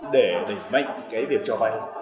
để đẩy mạnh cái việc cho vay